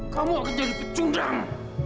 kamu akan jadi pecundang